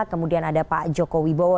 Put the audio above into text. kemudian ada pak joko widodo